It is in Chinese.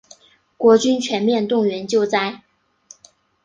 国军全面动员救灾